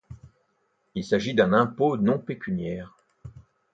Il s'agit d'un impôt non pécuniaire.